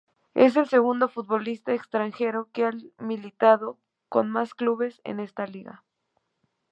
Es el segundo futbolista extranjero que ha militado con más clubes en esta liga.